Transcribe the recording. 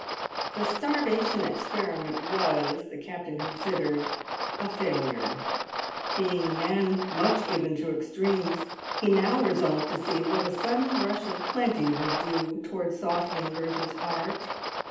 The starvation experiment was, the captain considered, a failure. Being a man much given to extremes, he now resolved to see what a sudden rush of plenty would do towards softening Bertha's heart.